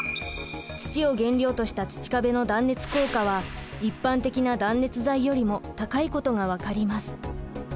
土を原料とした土壁の断熱効果は一般的な断熱材よりも高いことが分かります。